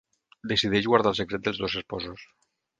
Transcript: Decideix guardar el secret dels dos esposos.